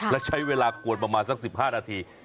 และใช้เวลากวนประมาณสัก๑๕นาที